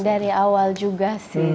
dari awal juga sih